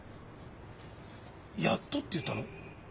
「やっと」って言ったの？